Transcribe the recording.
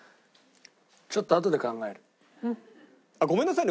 ちょっとあとで考える。ごめんなさいね。